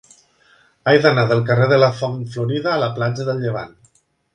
He d'anar del carrer de la Font Florida a la platja del Llevant.